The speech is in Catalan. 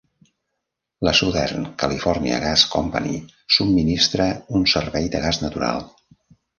La Southern California Gas Company subministra un servei de gas natural.